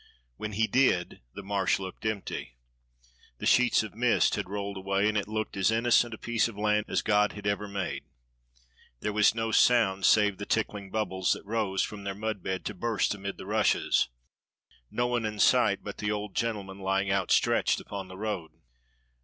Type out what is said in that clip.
When he did the Marsh looked empty. The sheets of mist had rolled away, and it looked as innocent a piece of land as God had ever made. There was no sound save the tickling bubbles that rose from their mud bed to burst amid the rushes, no one in sight but the old gentleman lying outstretched upon the road.